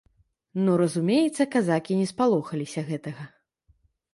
Ну, разумеецца, казакі не спалохаліся гэтага.